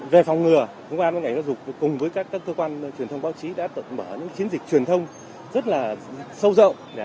về phòng ngừa ngành giáo dục cùng với các cơ quan truyền thông báo chí đã mở những chiến dịch truyền thông rất là sâu rộng